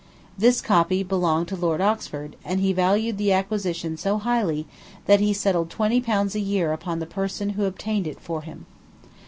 This copy belonged to Lord Oxford, and he valued the acquisition so highly that he settled twenty pounds a year upon the person who obtained it for him.